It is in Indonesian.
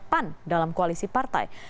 jadi jadi itu sih